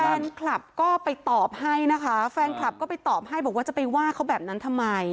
แฟนคลับก็ไปตอบให้นะคะแฟนคลับก็ไปตอบให้บอกว่าจะไปว่าเขาแบบนั้นทำไม